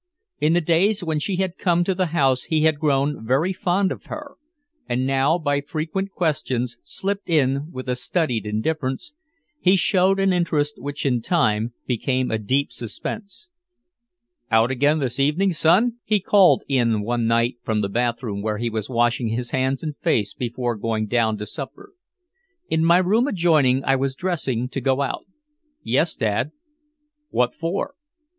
In the days when she had come to the house he had grown very fond of her, and now by frequent questions, slipped in with a studied indifference, he showed an interest which in time became a deep suspense. "Out again this evening, son?" he called in one night from the bathroom where he was washing his hands and face before going down to supper. In my room adjoining I was dressing to go out. "Yes, Dad." "What for?"